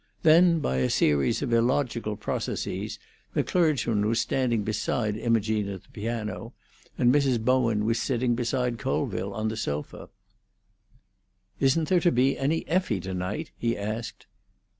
Then, by a series of illogical processes, the clergyman was standing beside Imogene at the piano, and Mrs. Bowen was sitting beside Colville on the sofa. "Isn't there to be any Effie, to night?" he asked.